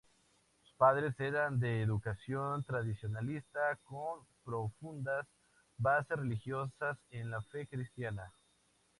Sus padres eran de educación tradicionalista, con profundas bases religiosas en la fe cristiana.